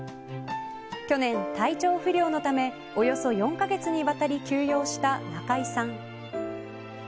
去年、体調不良のためおよそ４カ月にわたり休養した中居さん。